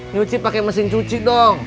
nyuci pakai mesin cuci dong